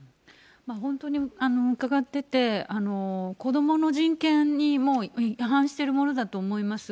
本当に伺ってて、子どもの人権に違反しているものだと思います。